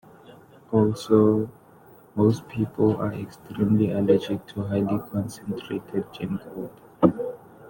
Also, most people are extremely allergic to highly concentrated Gingold.